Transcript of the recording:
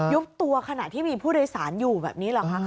ตัวขณะที่มีผู้โดยสารอยู่แบบนี้เหรอคะ